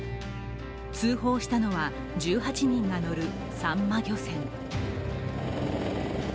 通報したのは１８人が乗るサンマ漁船。